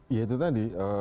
ya itu tadi